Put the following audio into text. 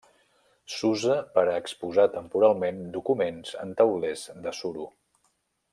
S'usa per a exposar temporalment documents en taulers de suro.